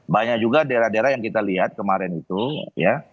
banyak juga daerah daerah yang kita lihat kemarin itu ya